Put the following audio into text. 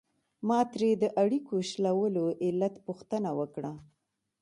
ما ترې د اړیکو شلولو علت پوښتنه وکړه.